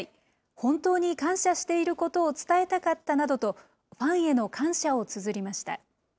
本当に感謝していることを伝えたかったなどと、ファンへの感謝をつづりました。